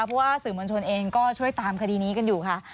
เพราะว่าสื่อมวลชนเองก็ช่วยตามคดีนี้กันอยู่ค่ะ